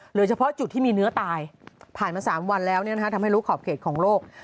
โดยเฉพาะจุดที่มีเนื้อตายผ่านมา๓วันแล้วทำให้รู้ขอบเขตของโลก